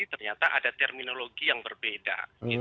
ternyata ada terminologi yang berbeda